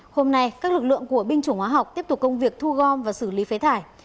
hôm nay các lực lượng của binh chủng hóa học tiếp tục công việc thu gom và xử lý phế thải